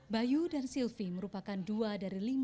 bayu dan sylvia merupakan dua dari lima puluh empat anak menderita kanker